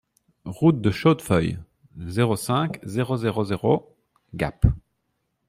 Route de Chaudefeuille, zéro cinq, zéro zéro zéro Gap